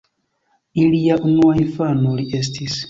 Ilia unua infano li estis.